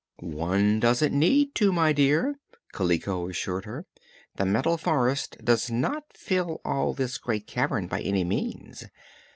"One doesn't need to, my dear," Kaliko assured her. "The Metal Forest does not fill all of this great cavern, by any means.